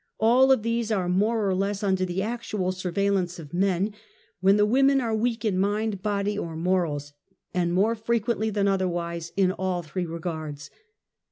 All of these are more / or less under the actual surveillance of men, when 1 the women are weak in mind, body or morals, and ' more frequently than otherwise in all three regards.